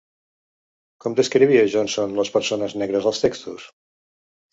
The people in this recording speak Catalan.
Com descrivia Johnson les persones negres als textos?